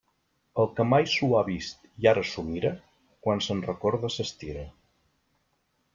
El que mai s'ho ha vist i ara s'ho mira, quan se'n recorda s'estira.